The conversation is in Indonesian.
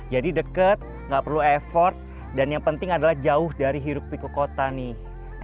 jadi deket nggak perlu effort dan yang penting adalah jauh dari hirup piku kota nih